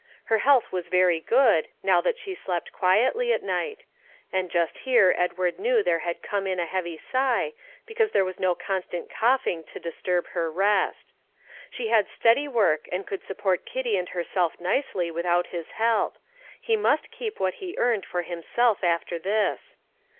Her health was very good, now that she slept quietly at night; and just here Edward knew there had come in a heavy sigh, because there was no constant coughing to disturb her rest. She had steady work, and could support Kitty and herself nicely without his help; he must keep what he earned for himself after this.